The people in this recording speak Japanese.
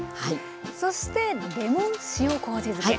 そしてレモン塩こうじ漬け。